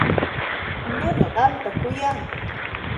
Nuqa qamta kuyaq.